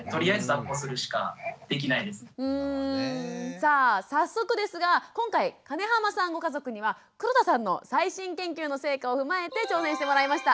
さあ早速ですが今回金濱さんご家族には黒田さんの最新研究の成果を踏まえて挑戦してもらいました。